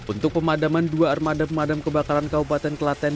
untuk pemadaman dua armada pemadam kebakaran kabupaten kelaten